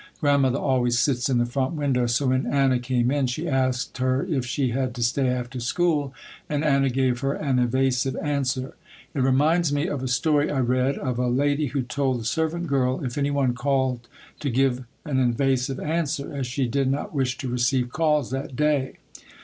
Grandmother always sits in the front window, so when Anna came in she asked her if she had to stay after school and Anna gave her an evasive answer. It reminds me of a story I read, of a lady who told the servant girl if any one called to give an evasive answer as she did not wish to receive calls that day.